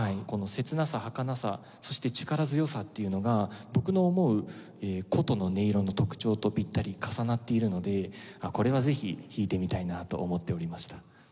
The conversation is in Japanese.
この切なさはかなさそして力強さっていうのが僕の思う箏の音色の特徴とピッタリ重なっているのでこれはぜひ弾いてみたいなと思っておりました。